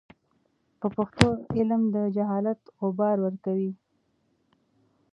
په پښتو علم د جهالت غبار ورکوي.